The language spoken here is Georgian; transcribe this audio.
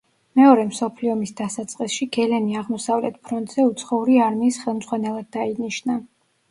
მეორე მსოფლიო ომის დასაწყისში გელენი აღმოსავლეთ ფრონტზე უცხოური არმიის ხელმძღვანელად დაინიშნა.